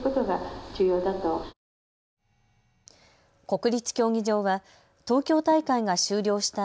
国立競技場は東京大会が終了した